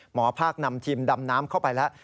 หมอภาคนำทีมดำน้ำเข้าไปแล้ว